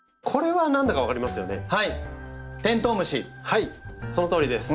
はいそのとおりです。